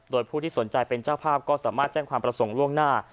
โดยผู้ที่สนใจเป็นเจ้าภาพก็สามารถแจ้งความประสงค์ล่วงหน้า